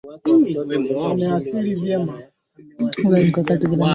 Hata hivyo kuanzia mwaka sitini na tatu kabla ya kristo